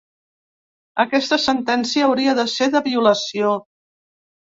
Aquesta sentència hauria de ser de violació.